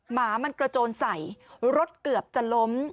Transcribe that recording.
หมามันกระโจนใส่รถเกือบจะล้ม